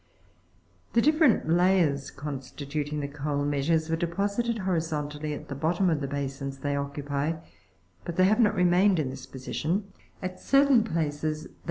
20. The different layers, constituting the coal measures, were deposited horizontally at the bottom of the basins they occupy, but they have not remained in this position ; at certain places they 17.